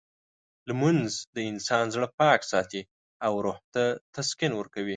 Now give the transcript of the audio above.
لمونځ د انسان زړه پاک ساتي او روح ته تسکین ورکوي.